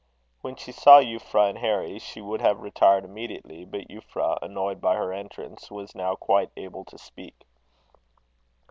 When she saw Euphra and Harry, she would have retired immediately; but Euphra, annoyed by her entrance, was now quite able to speak.